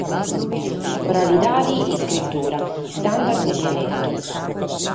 Oralidade e iscritura, istandard e dialetu.